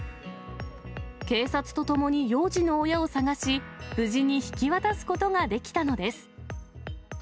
警察とともに幼児の親を捜し、無事に引き渡すことができたのです。